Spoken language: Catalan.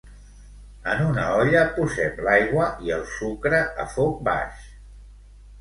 En una olla posem l'aigua i el sucre a foc baix.